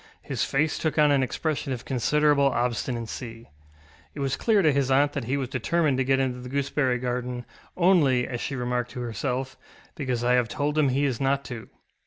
His face took on an expression of considerable obstinacy. It was clear to his aunt that he was determined to get into the gooseberry garden, ŌĆ£only, ŌĆØ as she remarked to herself, ŌĆ£because I have told him he is not to.